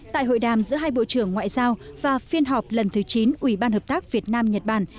tại hội đàm giữa hai bộ trưởng ngoại giao và phiên họp lần thứ chín ubh việt nam nhật bản